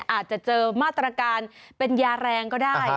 อาจจะเจอมาตรการเป็นยาแรงก็ได้